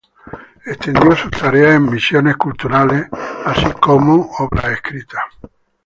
Extendió sus tareas en Misiones Culturales así como sus obras escritas.